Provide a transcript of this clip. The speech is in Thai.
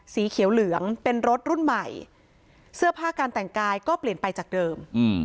สีเขียวเหลืองเป็นรถรุ่นใหม่เสื้อผ้าการแต่งกายก็เปลี่ยนไปจากเดิม